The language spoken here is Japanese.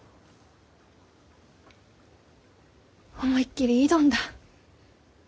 思いっきり挑んだ。